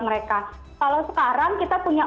mereka kalau sekarang kita punya